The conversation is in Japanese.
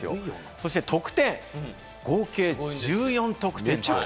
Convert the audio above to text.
そして得点、合計１４得点。